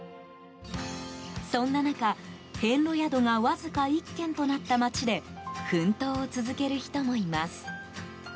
そんな中、遍路宿がわずか１軒となった町で奮闘を続ける人もいます。